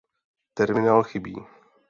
Terminál chybí.